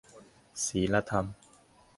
ศีลธรรม